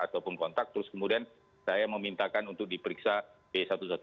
ataupun kontak terus kemudian saya memintakan untuk diperiksa b satu ratus dua belas